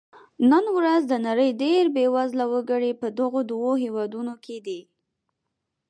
نن ورځ د نړۍ ډېری بېوزله وګړي په دغو دوو هېوادونو کې دي.